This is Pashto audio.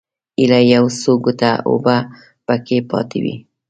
ایله یو څو ګوټه اوبه په کې پاتې وې.